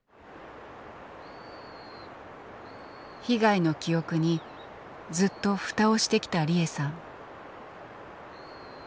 被害の記憶にずっと蓋をしてきた利枝さん。